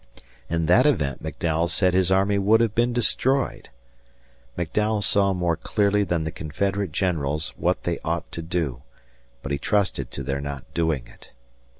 In that event McDowell said his army would have been destroyed. McDowell saw more clearly than the Confederate generals what they ought to do, but he trusted to their not doing it.